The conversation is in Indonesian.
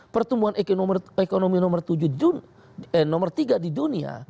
pertumbuhan ekonomi nomor tiga di dunia